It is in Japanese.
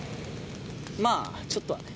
まあちょっとはね。